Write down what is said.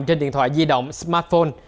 trên điện thoại di động smartphone